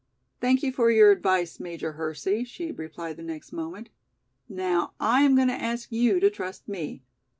"Thank you for your advice, Major Hersey," she replied the next moment. "Now I am going to ask you to trust me.